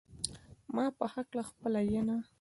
ما پخه کړه خپله ينه